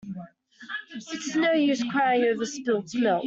It is no use crying over spilt milk.